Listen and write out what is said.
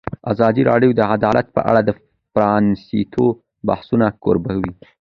ازادي راډیو د عدالت په اړه د پرانیستو بحثونو کوربه وه.